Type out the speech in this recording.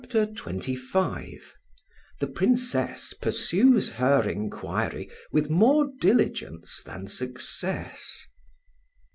CHAPTER XXV THE PRINCESS PURSUES HER INQUIRY WITH MORE DILIGENCE THAN SUCCESS.